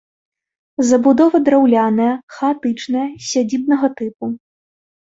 Забудова драўляная, хаатычная, сядзібнага тыпу.